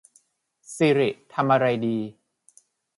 สิริ ทำอะไรดี